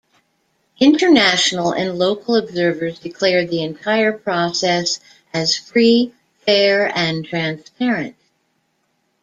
International and local observers declared the entire process as free, fair, and transparent.